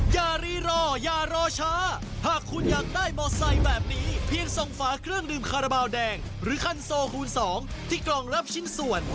อย่ารีรออย่ารอช้าหากคุณอยากได้มอไซค์แบบนี้เพียงส่งฝาเครื่องดื่มคาราบาลแดงหรือคันโซคูณ๒ที่กล่องรับชิ้นส่วน